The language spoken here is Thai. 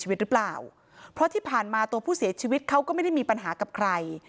หรือเปล่าเพราะที่ผ่านมาตัวผู้เสียชีวิตเขาก็ไม่ได้มีปัญหากับใคร